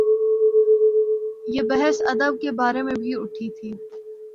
یہ بحث ادب کے بارے میں بھی اٹھی تھی۔